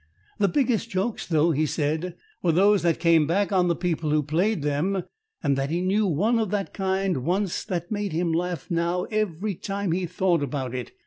The biggest jokes, though, he said, were those that came back on the people who played them, and that he knew one of that kind once that made him laugh now every time he thought about it.